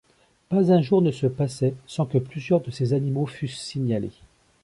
Pas un jour ne se passait sans que plusieurs de ces animaux fussent signalés.